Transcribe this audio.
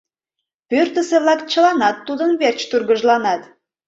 Пӧртысӧ-влак чыланат тудын верч тургыжланат.